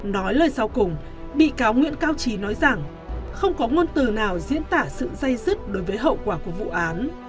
nói lời sau cùng bị cáo nguyễn cao trí nói rằng không có ngôn từ nào diễn tả sự dây dứt đối với hậu quả của vụ án